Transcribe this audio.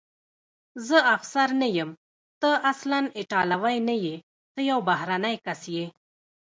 زه افسر نه یم، ته اصلاً ایټالوی نه یې، ته یو بهرنی کس یې.